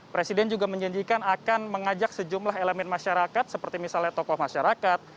presiden juga menjanjikan akan mengajak sejumlah elemen masyarakat seperti misalnya tokoh masyarakat